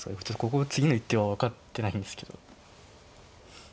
ここ次の一手は分かってないんですけど。